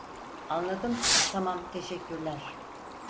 Anladım tamam teşekkürler